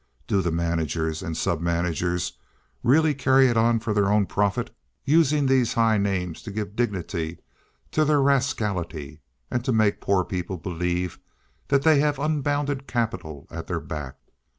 Do the managers and submanagers really carry it on for their own profit, using these high names to give dignity to their rascality, and to make poor people believe that they have unbounded capital at their back?